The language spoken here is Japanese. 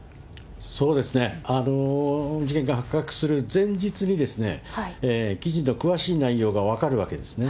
そうですね、事件が発覚する前日に、記事の詳しい内容が分かるわけですね。